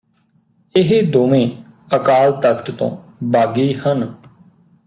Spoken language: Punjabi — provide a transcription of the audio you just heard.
ਇਹ ਦੋਵੇਂ ਅਕਾਲ ਤਖਤ ਤੋਂ ਬਾਗੀ ਹਨ